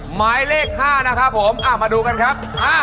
หมายเลข๕นะครับผมมาดูกันครับ